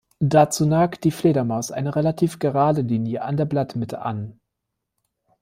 Dazu nagt die Fledermaus eine relativ gerade Linie an der Blattmitte an.